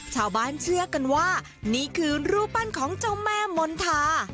ชาวบ้านเชื่อกันว่านี่คือรูปปั้นของเจ้าแม่มณฑา